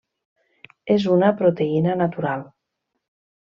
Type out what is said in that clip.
És una proteïna natural.